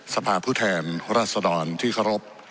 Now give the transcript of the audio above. สภาพผู้แทนรัศดรที่เคารพ